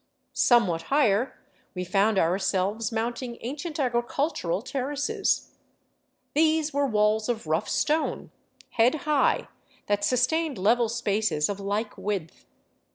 Somewhat higher we found ourselves mount ing ancient agricultural terraces. These were walls of rough stone, 465 VAGABONDING DOWN THE ANDES head high, that sustained level spaces of like width.